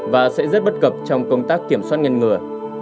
và sẽ rất bất cập trong công tác kiểm soát ngăn ngừa